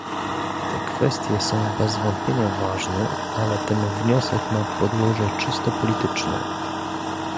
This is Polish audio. Te kwestie są bez wątpienia ważne, ale ten wniosek ma podłoże czysto polityczne